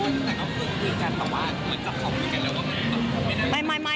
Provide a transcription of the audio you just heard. แต่คุณคุยกันต่อบ้านเหมือนจับเข่าคุยกันแล้วว่า